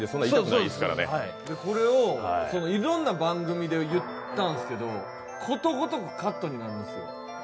これをいろんな番組で言ったんですけどことごとくカットになるんですよ。